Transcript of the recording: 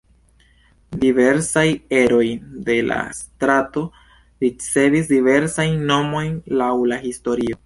Diversaj eroj de la strato ricevis diversajn nomojn laŭ la historio.